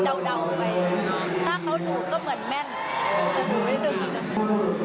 จะดูได้ดึง